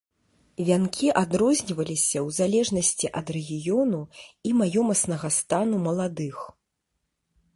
Вянкі адрозніваліся ў залежнасці ад рэгіёну і маёмаснага стану маладых.